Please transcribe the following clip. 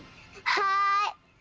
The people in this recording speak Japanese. はい。